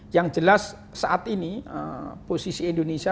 yang jelas saat ini posisi indonesia di indonesia